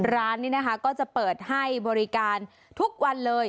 ร้านนี้นะคะก็จะเปิดให้บริการทุกวันเลย